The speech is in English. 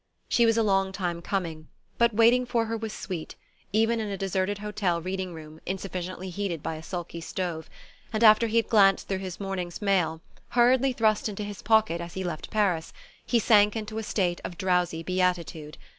She was a long time coming, but waiting for her was sweet, even in a deserted hotel reading room insufficiently heated by a sulky stove; and after he had glanced through his morning's mail, hurriedly thrust into his pocket as he left Paris, he sank into a state of drowsy beatitude.